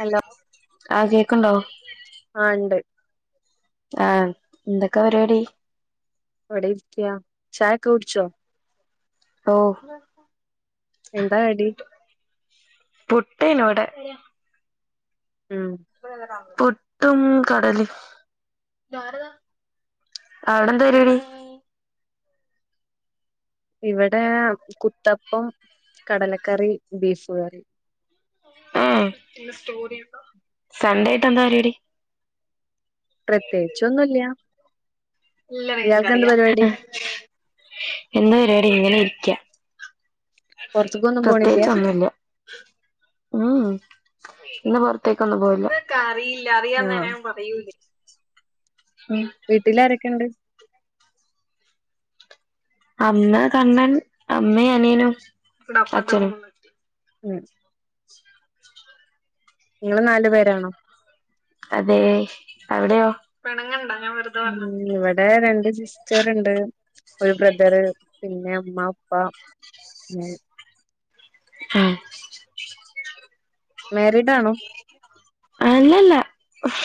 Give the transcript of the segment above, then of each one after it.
Hello ആ കേക്ക്‌ണ്ടോ ആ ഇണ്ട്. ആഹ. എന്തൊക്കെ പരിപാടി? ഇവടെരിക്ക്യ ചായൊക്കെ കുടിച്ചോ ഓ എന്താ കടി പുട്ടിനോടെ. ഉം പുട്ടും കടലേം. ഇതരടെആ അവിടെന്താ പരിപാടി? ഇവിടെ കുത്തപ്പം, കടലക്കറി, ബീഫ് കറി ഉം. സൺഡേയായിട്ട് ന്താ പരിപാടി? പ്രത്യേകിച്ചൊന്നു ല്ല്യാ ല്ലങ്ങക്കറിയാ. പരിപാടി എന്ന പരിപാടി ഇങ്ങനെ ഇരിക്കാ. പുറത്തേക്കൊന്നും പോണില്ല പ്രത്യേകിച്ചൊന്നുല്ല. ഉം. ഇന്ന് പൊറത്തേക്ക് ഒന്നും പോയില്ല. ക്ക് അറിയില്ല. ആ അറിയാന്നേൻ ഞാൻ പറയൂല്ലേ. ഉം. വീട്ടില് ആരൊക്കെണ്ട്? അമ്മ, കണ്ണൻ, അമ്മേം, അനിയനും, അച്ഛനും. മ്മ് നിങ്ങള് നാല് പേരാണോ അതെ. അവിടെയോ? പിണങ്ങണ്ട ഞാൻ വെറ്തെ പറഞ്ഞത. ഇടെ രണ്ട് സിസ്റ്റർണ്ട്, ഒരു ബ്രദറ്, പിന്നെ അമ്മ, അപ്പ. [unintelligible] [unintelligible] മേരീഡ് ആണോ? അല്ലല്ല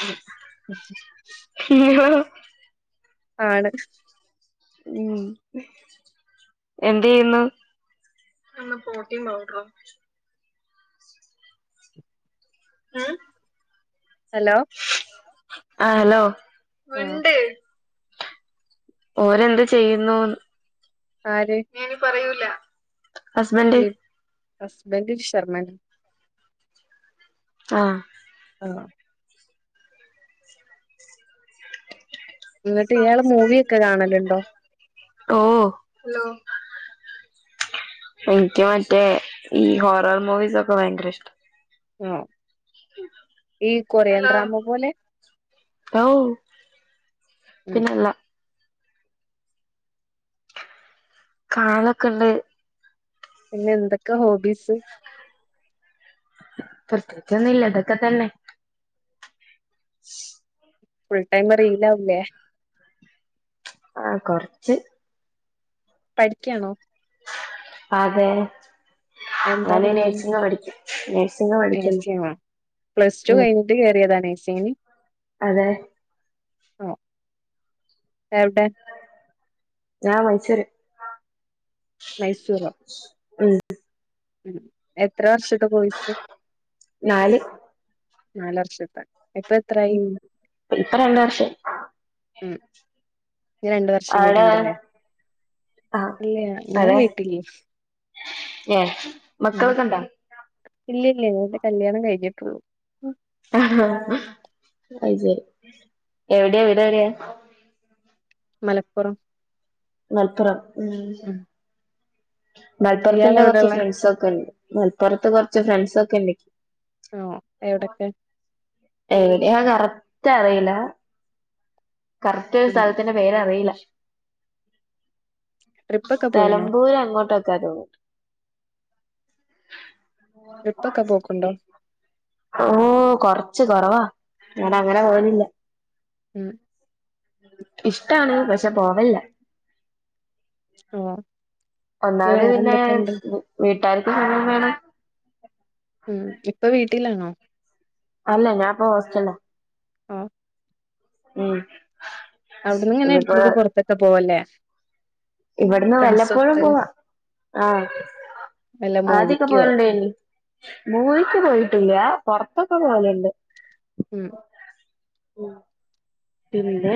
ഉം ആണ്. ഉം. എന്ത് ചെയ്യുന്നു? പ്രോടീൻ പൗഡറും [inaudible] ഹലോ ആ ഹലോ ആ മിണ്ട് ഓരെന്ത് ചെയ്യുന്നു? ആര്? ഞാൻ ഇനി പറയൂല. ഹസ്ബൻറ്. ഹസ്ബൻറ് ശർമ്മൻ. ആ [inaudible] ന്ന്ട്ട് ഇയാള് മൂവിഒക്കെ കാണല്ണ്ടോ ഓ. എനിക്ക് മറ്റേ ഈ ഹോറർ മൂവീസ് ഒക്കെ ഭയങ്കര ഇഷ്ട. [unintelligible] ഈ കൊറിയൻ ഡ്രാമ പോലെ? ഔ ഉം പിന്നല്ല കാലെക്കെ ഇണ്ട്. പിന്നെ എന്തെക്ക ഹോബീസ് പ്രത്യേകിച്ചൊന്നുല്ല ഇതൊക്കെ തന്നെ ച്ച് ഫുൾ ടൈം റീല് ആവുല്ലേ ആഹ് കൊറച്ച് പഠിക്കാണോ അതെ. എന്താ ഞാന് പഠിക്കണെ നേഴ്സിങ്ങ പഠിക്ക നേഴ്സിങ്ങ പഠിക്കുന്നു ഉം ത് കേറിയതാ നഴ്സിങ് ന് അതെ അ എവിടെ ഞാ മൈസൂര് മൈസൂറോ ഉം ഉം എത്ര വർഷത്തെ കോഴ്സ് നാല് നാല് വർഷത്ത ഇപ്പ ഉം ഇപ്പ രണ്ട് വർഷായി ഉം ഇനി രണ്ട് വർഷം കൂടി അവിടെ ണ്ടല്ലേ ഇല്ല ഞാൻ വീട്ടിൽ എ മക്കളൊക്കെ ഇണ്ടാ ഇല്ലില്ല എന്റെ കല്യാണം കഴിഞ്ഞിട്ടുള്ളൂ ഉം. ഹാ ഹ അതുശരി വീടെവിടെയാ മലപ്പുറം മലപ്പുറം ഉം ഇയാൾ മലപ്പുറത്തിന്റെ കുറച്ച് എവിടെള്ളെ ഫ്രണ്ട്‌സ് ഒക്കെ ഉണ്ട് മലപ്പുറത്ത് കുറച്ച് ഫ്രണ്ട്സ് ഒക്കെ ഉണ്ട് ഓ എവിടൊക്കെ എവിടെയാണെന്ന് കറക്റ്റ് അറിയില്ല കറക്റ്റ് ഉം സ്ഥലത്തിന്റെ പേര് അറിയില്ല ട്രിപ്പൊക്കെ പോയിണോ നെലബൂരു അങ്ങോട്ടേക്കയാണ് തോന്നു ട്രിപ്പൊക്കെ പോക്കണ്ടോ ഓ കൊറച്ച് കൊറവാ ഞാ അങ്ങനെ പോകുന്നില്ല ഉം ഇഷ്ടാണ് പക്ഷെ പോവലില്ല ഹ ഒന്നാമത് പിന്നെ വീട്ടാർക്ക് സമയം വേണം ഉം ഇപ്പൊ വീട്ടിലാണോ അല്ല ഞാനിപ്പോ ഹോസ്റ്റലിലാ ആഹ ഉം അവിടന്ന് ഇങ്ങനെ ഇനിയിപ്പോ എടുക്കെടുക്കു പുറത്തൊക്കെ പോവല്ലേ ഇവിടുന്ന് വല്ലപ്പോഴും ഫ്രണ്ട്സൊത്ത് പോവാ ആഹ വല്ല ആദ്യൊക്കെ മൂവിക്കോ പോകലെണ്ടന്ന് മൂവിക്ക് പോയിട്ടില്ല പൊറത്തൊക്കെ പോകലെണ്ട് ഉം ഉം പിന്നെ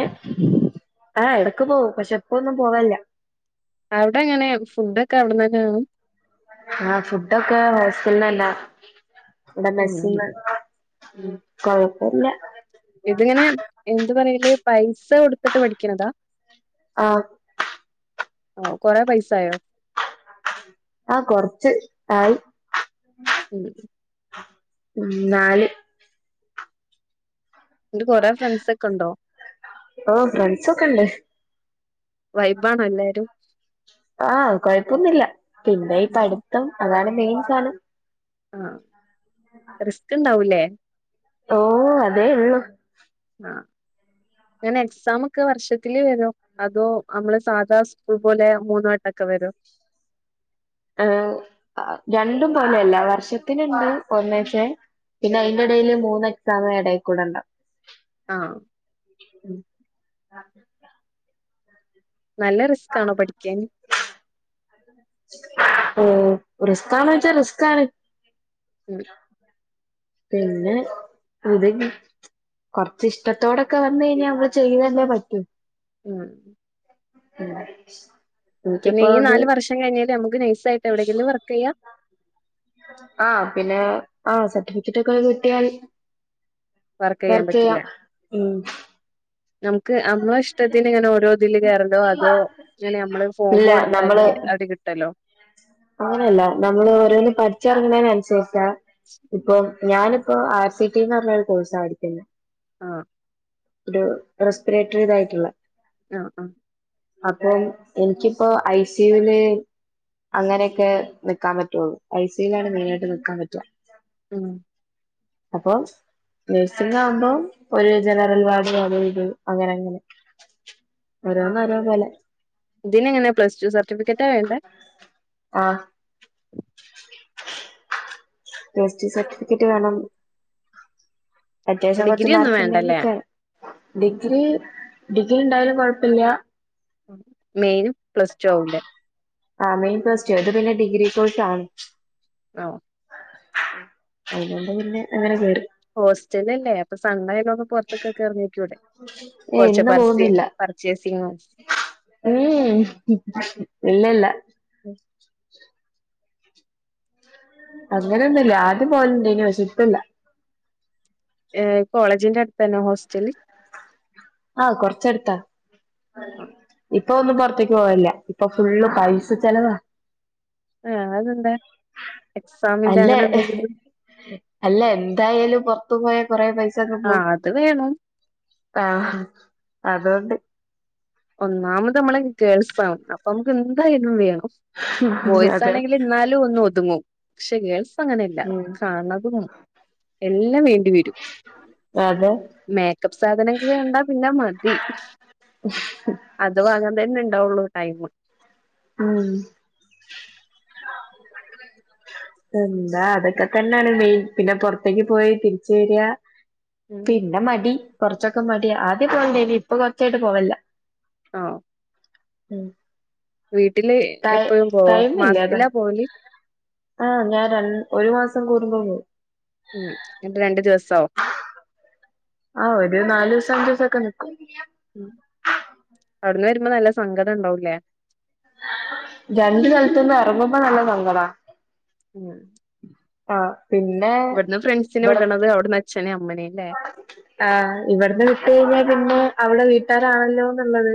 ആ ഇടക്ക് പോകും പക്ഷെ പ്പ ഒന്നും പോവലില്ലാ അവിടെ ങ്ങനെ ഫുഡ് ഒക്കെ അവിടന്ന് തന്നെണ് ആഹ ഫുഡ് ഒക്കെ ഹോസ്റ്റലിന്നല്ല ഇവിടെ ഉം മെസ്സിന്ന് ഉം കൊഴപ്പമില്ല ഇതിങ്ങനെ എന്ത് പറയല് പൈസ കൊടുത്തിട്ട് പഠിക്കണതാ ആഹ് ഓ കൊറെ പൈസായോ ആഹ കൊറച്ച് ആയി ഉം ഉ നാല് എന്റെ കൊറേ ഫ്രണ്ട്സ് ഒക്കെ ഉണ്ടോ ഓ ഫ്രണ്ട്സൊക്കെണ് ണ്ട് വൈബ ആണോ എല്ലാരും ആഹ് കൊഴപ്പൊന്നില്ല പിന്നെ ഈ പഠിത്തം അതാണ് മെയിൻ സാനം ആഹ റിസ്ക്ണ്ടാവൂല്ലേ ഓ അതേ ഉള്ളൂ ആ അങ്ങനെ എക്സമ ഒക്കെ വർഷത്തില് വരോ അതോ നമ്മള് സാധാ സ്കൂൾ പോലെ മൂന്നാട്ടൊക്കെ വരും ഏ രണ്ടും പോലെയല്ല വർഷത്തിനുണ്ട് ഒന്നച്ചേ പിന്നയിന്റെടേല് മൂന്ന് എക്സാമ് എടേകൂടണ്ടാകും ആഹ് [inaudible] നല്ല റിസ്കാണോ പഠിക്കാൻ ഓ റിസ്കാണോച്ചാ റിസ്ക്കാണ് [inaudible] പിന്നെ [unintelligible] കൊറച്ച്ഷ്ടത്തോടൊക്കെ വന്ന് കഴിഞ്ഞാ നമ്മള് ചെയ്തല്ലേ പറ്റു ഉം ഉം എനിക്കിപ്പോ പിന്നെയീ അത് നാല് വർഷം കഴിഞ്ഞാല് അമ്മക്ക് നൈസായിട്ടെവിടെങ്കിലും വർക്ക് ചെയ്യാം ആ പിന്നെ ആ സർട്ടിഫിക്കറ്റ് ഒക്കെ കിട്ടിയാല് വർക്ക് ചെയ്യാൻ പറ്റില്ല വർക്കെയ്യാം ഉം നമുക്ക് അമ്മ ടത്തിന് ഇങ്ങനെ ഓരോ ഇതില് കേറല്ലോ അതോ ഇങ്ങനെ അമ്മള് ഫോമ് ഇല്ല കൊടുത്താല് നമ്മള് അത് കിട്ടലോ അങ്ങനെയല്ല നമ്മള് ഓരോന്ന് പഠിച്ചെറങ്ങണേനനുസരിച്ചാ ഇപ്പൊ ഞാനിപ്പോ ആർ സി ടിന്ന് പറഞ്ഞ ഒരു കോഴ്സാ പഠിക്കുന്ന ആഹ് ഒരു റെസ്പിരേറ്ററി ഇതായിട്ടുള്ള ആഹ് ആഹ് [unintelligible] എനിക്കിപ്പോ ഐ സിയുവില് അങ്ങനെയെക്കെ നിക്കാൻ പറ്റുള്ളൂ ഐസൂയിലാണ് മെയിനായിട്ട് നിക്കാൻ പറ്റാ ഉം അപ്പോ നേഴ്സിംഗ് ആവുമ്പം ഒരു ജനറൽ വാർഡ് അത് ഇത് അങ്ങനങ്ങനെ ഓരോന്നോരോന്നോലെ ഇതിനെങ്ങനെ പ്ലസ് ടു സർട്ടിഫിക്കറ്റാ വേണ്ടേ ആഹ് [unintelligible] പ്ലസ്ടു സർട്ടിഫിക്കറ്റ് വേണം അത്യാവശ്യം കൊറച്ച് ഡിഗ്രി ഒന്നും മാർക്ക്ണ്ടെങ്കി വേണ്ടല്ലേ കേറാ. ഡിഗ്രി ഡിഗ്രിണ്ടായാലും കൊഴപ്പില്ല മെയിനും പ്ലസ് ടു ആവൂലേ ആ മെയിൻ പ്ലസ്ടുവ ഇത് പിന്നെ ഡിഗ്രി കോഴ്സാണ് ആഹ് അയ്നോണ്ട് പിന്നെ അങ്ങനെ കേറി ഹോസ്റ്റലല്ലേ അപ്പൊ സണ്ണായാ [unintelligible] പുറത്തേക്കെക്കെറങ്ങിക്കൂടെ ഏയ് കൊറച്ച് ഇന്ന് പർസേ പോകുന്നില്ല പർച്ചേസിംഗ് ഉം ഇല്ലല്ല [inaudible] അങ്ങനൊന്നുല്ല ആദ്യം പോകല്ണ്ടേനി പശേപ്പല്ല ഏ കോളേജിന്റെ അടുത്താന്നോ ഹോസ്റ്റല് ആഹ് കൊറച്ചടുത്താ ഇപ്പോന്നും പൊറത്തേക്ക് പോവലില്ല ഇപ്പൊ ഫുള്ള് പൈസ ചെലവാ ആഹ് അതെന്താ എക്സാമിന്റെ അല്ലേ അങ്ങനെന്തെങ്കിലും അല്ല എന്തായാലും പൊറത്തു പോയ കൊറെ പൈസൊക്കെ പോവും ആഹ് അത് വേണം ആഹ അതുകൊണ്ട് ഒന്നാമതമ്മള് ഗേൾസാണ് അപ്പൊ അമുക്ക് എന്തായാലും വേണം ബോയ്സ് അതെ ആണെങ്കില് ഇന്നാ ലും ഒന്ന് ഒതുങ്ങും പക്ഷേ ഗേൾസ് അങ്ങനെയല്ല ഉം കണകും എല്ലാം വേണ്ടി വരും അതെ മേക്കപ്പ് സാധനൊക്കെ കണ്ടാ പിന്നെ മതി ഉം അത് വാങ്ങാൻ തന്നെ ഉണ്ടാവുള്ളൂ ടൈം ഉം എന്താ അതൊക്കെ തന്നെയാണ് മെയിൻ പിന്നെ പുറത്തേക്ക് പോയി തിരിച്ച വര ഉം പിന്നെ മടി കൊറച്ചൊക്കെ മടി ആദ്യ പോവണ്ടനി ഇപ്പൊ കൊറച്ചായിട്ട് പോവല്ല ആഹ് ഉം വീട്ടില് ടൈ എപ്പഴും പോ ടൈമില്ല അതാ മാസത്തിലാ പോവല് ആഹ് ഞാൻ ര ഒരു മാസം കൂടുമ്പോ പോവും ഉം അ രണ്ടു ദിവസവും ആഹ് ഒരു നാലുസം അഞ്ചൂസം ഒക്കെ നിക്കും ഉം അവിടുന്ന് വരുമ്പോ നല്ല സങ്കടം ഉണ്ടാവൂലേ രണ്ട് സൽത്തന്ന് ഇറങ്ങുമ്പോ നല്ല സങ്കടാ ഉം ആഹ് പിന്നെ ഇവിടന്ന് ഫ്രണ്ട്സിനെ ഇവിടെ വിടണത് അവിടന്ന് അച്ഛനേ അമ്മനേല്ലേ ആഹ് ഇവിടുന്ന് വിട്ട കഴിഞ്ഞാ പിന്നെ അവിടെ വീട്ടുകാരാണല്ലോ എന്നുള്ളത്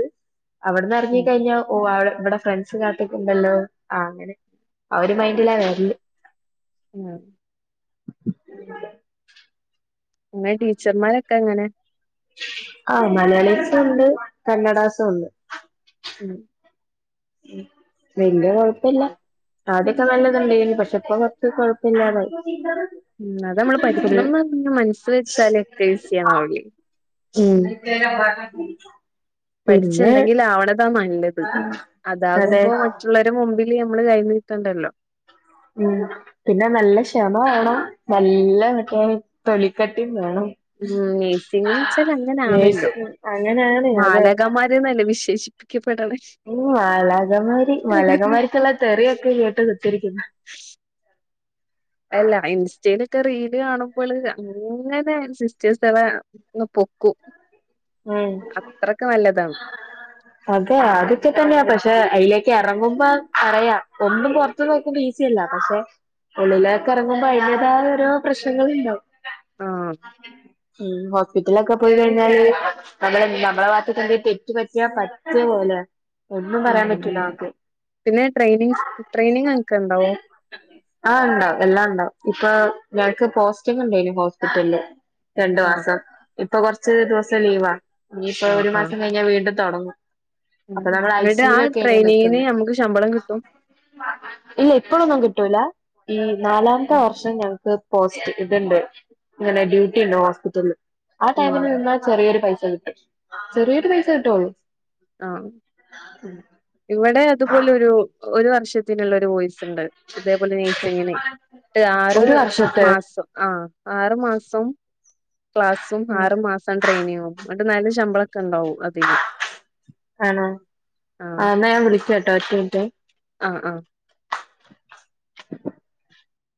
അവിടന്ന്റങ്ങ ഉം കഴിഞ്ഞോ. ഓ അടെ ഇവിടെ ഫ്രണ്ട്സ് കാത്തക്കിണ്ടല്ലോ ആ അങ്ങനെ അ ഒരു മൈൻഡിലാ വരല് ഉം അങ്ങനെ ടീച്ചർമാരൊക്കെ എങ്ങനെ ആ മലയാളീസും ഉണ്ട് കന്നഡാസും ഉണ്ട് ഉം വലിയ കൊഴപ്പല്ല ആദ്യോക്കെ നല്ലതുണ്ടായിരുന്നു പക്ഷെ ഇപ്പൊ കൊറച്ച് കൊഴപ്പില്ലാതെ ഉം അത് നമ്മള് പഠിക്കണംന്ന് പറഞ്ഞ മനസ്സ് വെച്ചാലേ ഒക്കെ ഈസിയണാവില്ലേ ഉം പഠിച്ച പിന്നെ എന്തെങ്കിലും ആവണതാ നല്ലത് അതെ അതാകുമ്പോ മുള്ളവരെ മുമ്പില് ഞമ്മള് കൈ നീട്ടണ്ടല്ലോ ഉം പിന്നെ നല്ല ക്ഷമ വേണം നല്ല മറ്റേ തൊലിക്കട്ടി വേണം ഉം നേഴ്സിങ് എന്നു വെച്ചാൽ അങ്ങനെയാണല്ലോ നേഴ്സിംഗ് അങ്ങനെയാണ് അതെ മാലകമാർ അങ്ങനെയല്ലെ വിശേഷിപ്പിക്കപ്പെടണെ മ്മ് മാലാഖമാര് മാലാഖമാരിക്കുള്ള തെറിയൊക്കെ കേട്ട് കുത്തിരിക്കുന്നു. അല്ല ഇൻസ്റ്റയിലൊക്കെ റീല് കാണുമ്പോള് അങ്ങനെ സിസ്റ്റേഴസ് ഇ പൊക്കും ഉം അത്രക്കെ നല്ലതാണ് അതെ അതൊക്കെ തന്നെയാ പക്ഷെ അതിലേക്ക് ഇറങ്ങുമ്പോ അറിയാ ഒന്നും പൊറ നോക്കുമ്പോ ഈസില്ല പക്ഷെ ഉള്ളിലെ കറങ്ങുമ്പോ അതിന്റതായ ഓരോ പ്രശ്നങ്ങളുണ്ടാവും. ആഹ് ഉം ഹോസ്പിറ്റലൊക്കെ പോയി കഴിഞ്ഞാല് നമ്മള് നമ്മളെ ഭാഗത്ത് എന്തേലും തെറ്റു പറ്റിയ പറ്റിയ പോലെയാ ഉ പിന്നെ ട്രെയിനിങ് ട്രെയിനിങ് അനക്കിണ്ടാവോ ആഹ് ഉണ്ടാവും എല്ലാം ഉണ്ടാവും ഇപ്പൊ ഞങ്ങക്ക് പോസ്റ്റിങ് ഉണ്ടായിരുന്നു ഹോസ്പിറ്റലില് രണ്ടു ആഹ് മാസം ഇപ്പൊ കൊറച്ച് ദിവസം ലീവാ ഇനിയിപ്പൊ ആഹ് ഒരു ആഹ് മാസം കഴിഞ്ഞാ വീണ്ടും തുടങ്ങും ഉം അപ്പൊ നമ്മൾ എന്നിട്ട് ആ ഐസിയുവിൽ ഒക്കെയാ ഇനി നിക്കുന്ന ട്രെയിനിങ്ങിന് നമുക്ക് ശമ്പളം കിട്ടും ഇല്ല ഇപ്പോഴൊന്നും കിട്ടൂല ഈ നാലാമത്തെ വർഷം ഞങ്ങക്ക് പോസ്റ്റ് ഇതിണ്ട് ഇങ്ങനെ ഡ്യൂട്ടി ഉണ്ട് ഹോസ്പിറ്റലില് ആ ഉം ടൈമിൽ നിന്നാ ചെറിയൊരു പൈസ കിട്ടും. ചെറിയൊരു പൈസ കിട്ടുള്ളൂ. ആഹ് ഉം ഇവടെ അതുപോലെരു ഒരു വർഷത്തിനുള്ള ഒരു വോയിസ് ഇണ്ട് ഇതേപോലെ നേഴ്‌സിങ്ങിന് ആറ് ഒരു വർഷത്തെ മാസം ആഹ്. ആറ് മാസം ക്ലാസ്സും, ആറ് മാസം സം ട്രെയിനിങ്ങും ഇങ്ങട്ട് നല്ല ശമ്പളൊക്കെ ഉണ്ടാവും അതിന്. ആഹ് ആ ആഹ് ന്നാ ഞാൻ വിളിക്കാട്ടോ ഒറ്റ മിനുറ്റെ ആഹ് ആഹ് [inaudible]